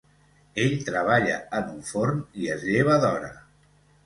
Ell treballa en un forn i es lleva d’hora.